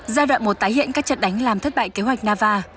giai đoạn một tái hiện các trận đánh làm thất bại kế hoạch nava